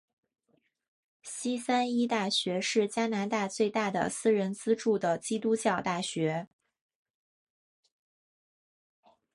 西三一大学是加拿大最大的私人资助的基督教大学。